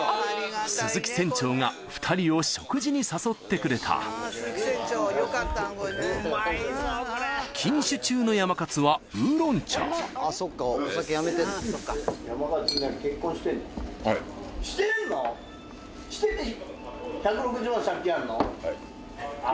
鈴木船長が２人を食事に誘ってくれた禁酒中のやまかつは烏龍茶してるの⁉はい。